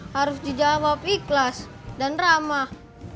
harus dijawab ikhlas dan ramah